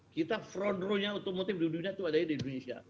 kita front row nya otomotif di dunia itu ada di indonesia